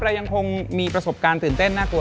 เรายังคงมีประสบการณ์ตื่นเต้นน่ากลัว